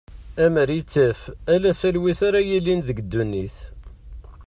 Amer ittaf ala talwit ara yilin deg ddunit.